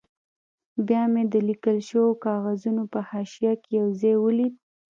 بیا مې د لیکل شوو کاغذونو په حاشیه کې یو ځای ولید.